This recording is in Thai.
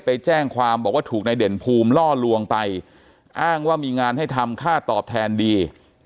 ไปแจ้งความบอกว่าถูกนายเด่นภูมิล่อลวงไปอ้างว่ามีงานให้ทำค่าตอบแทนดี